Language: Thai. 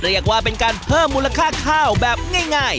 เรียกว่าเป็นการเพิ่มมูลค่าข้าวแบบง่าย